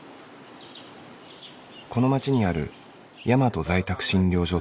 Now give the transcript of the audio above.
この町にあるやまと在宅診療所